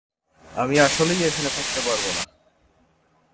আমি আসলেই এখানে থাকতে পারবো না।